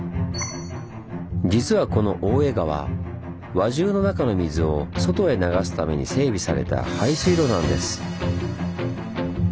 実はこの大江川輪中の中の水を外へ流すために整備された排水路なんです。